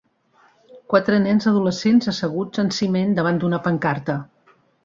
Quatre nens adolescents asseguts en ciment davant d'una pancarta.